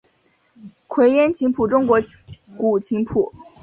愧庵琴谱中国古琴谱。